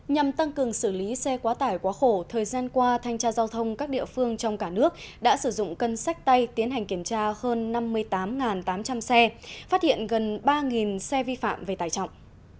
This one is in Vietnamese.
nhằm tăng cường xử lý xe quá tải quá khổ thời gian qua thanh tra giao thông các địa phương trong cả nước đã sử dụng cân sách tay tiến hành kiểm tra hơn năm mươi tám tám trăm linh xe phát hiện gần ba xe vi phạm về tải trọng